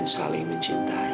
dan saling mencintai